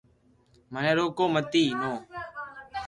مني روڪو متي نو